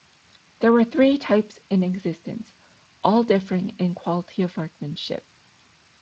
There were three types in existence, all differing in quality of workmanship.